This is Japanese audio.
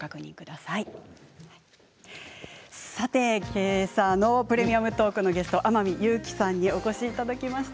さて、けさの「プレミアムトーク」のゲスト天海祐希さんにお越しいただきました。